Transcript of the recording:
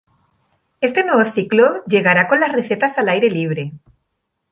Este nuevo ciclo, llegará con las recetas al aire libre.